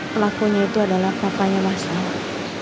pelakunya itu adalah papanya mas awi